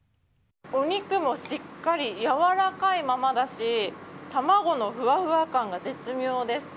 お肉もしっかりやわらかいままだし卵のふわふわ感が絶妙です。